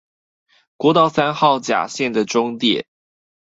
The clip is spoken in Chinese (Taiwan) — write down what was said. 國道三號甲線的終點